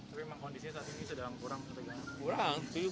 tapi memang kondisinya saat ini sedang kurang